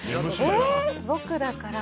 僕だから。